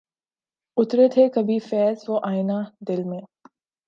اترے تھے کبھی فیضؔ وہ آئینۂ دل میں